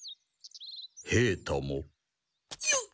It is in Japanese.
平太も！よ